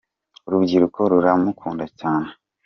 Urubyiruko ruramukunda cyane.